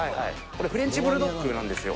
これ、フレンチブルドッグなんですよ。